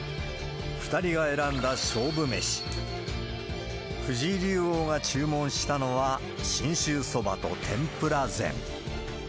２人が選んだ勝負飯、藤井竜王が注文したのは、信州そばと天ぷら膳。